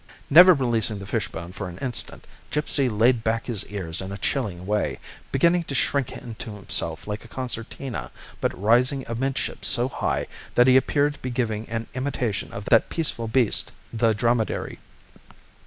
Never releasing the fishbone for an instant, Gipsy laid back his ears in a chilling way, beginning to shrink into himself like a concertina, but rising amidships so high that he appeared to be giving an imitation of that peaceful beast, the dromedary.